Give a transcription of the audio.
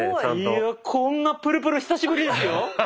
いやこんなプルプル久しぶりですよ。